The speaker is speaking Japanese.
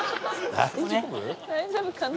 大丈夫かな？